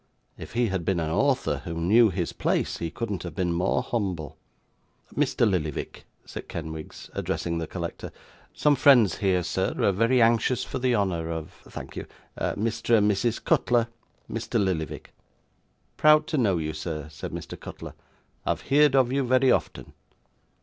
If he had been an author, who knew his place, he couldn't have been more humble. 'Mr. Lillyvick,' said Kenwigs, addressing the collector, 'some friends here, sir, are very anxious for the honour of thank you Mr. and Mrs Cutler, Mr. Lillyvick.' 'Proud to know you, sir,' said Mr. Cutler; 'I've heerd of you very often.